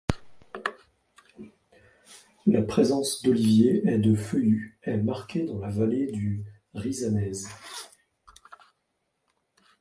La présence d'oliviers est de feuillus est marquée dans la vallée du Rizzanese.